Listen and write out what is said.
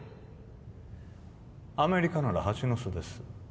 アメリカなら蜂の巣です。